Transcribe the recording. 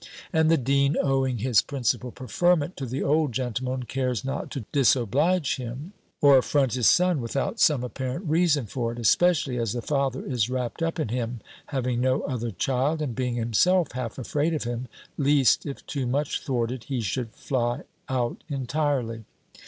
And the dean, owing his principal preferment to the old gentleman, cares not to disoblige him, or affront his son, without some apparent reason for it, especially as the father is wrapt up in him, having no other child, and being himself half afraid of him, least, if too much thwarted, he should fly out entirely.